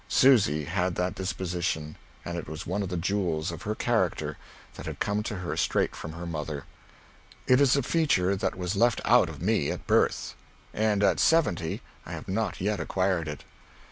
Susy had that disposition, and it was one of the jewels of her character that had come to her straight from her mother. It is a feature that was left out of me at birth. And, at seventy, I have not yet acquired it.